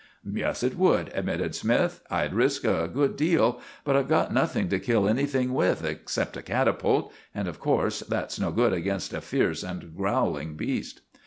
"Yes, it would," admitted Smythe. "I'd risk a good deal; but I've got nothing to kill anything with except a catapult, and of course that's no good against a fierce and growling beast."